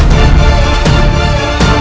pertanyai yang kita lakukan